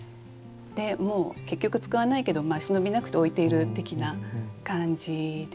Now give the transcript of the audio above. もう結局使わないけど忍びなくて置いている的な感じですね。